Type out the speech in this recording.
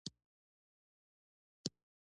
دغه ځوان د کوويډ وبا په پيل کې تللی و.